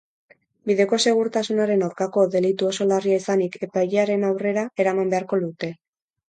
Bideko segurtasunaren aurkako delitu oso larria izanik, epailearen aurrera eraman beharko dute.